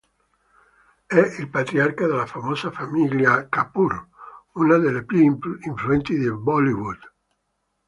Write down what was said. È il patriarca della famosa famiglia Kapoor, una delle più influenti di Bollywood.